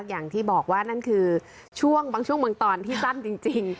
อย่างที่บอกว่านั่นคือช่วงบางช่วงบางตอนที่สั้นจริง